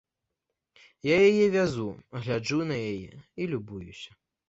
Я яе вязу, гляджу на яе і любуюся.